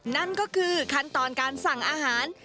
นั่นก็คือขั้นตอนการสั่งอาหาร